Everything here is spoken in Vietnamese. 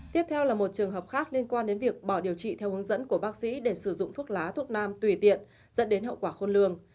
tiếp theo là một trường hợp khác liên quan đến việc bỏ điều trị theo hướng dẫn của bác sĩ để sử dụng thuốc lá thuốc nam tùy tiện dẫn đến hậu quả khôn lường